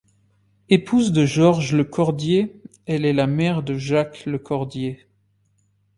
Épouse de Georges Le Cordier, elle est la mère de Jacques Le Cordier.